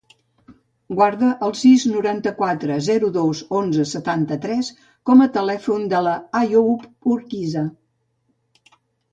Guarda el sis, noranta-quatre, zero, dos, onze, setanta-tres com a telèfon de l'Àyoub Urquiza.